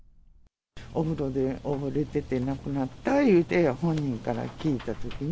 お風呂で溺れてて、亡くなったいうて、本人から聞いたときに、